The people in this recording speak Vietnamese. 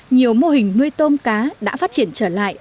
nhiều mô hình nuôi tôm cá đã phát triển trở lại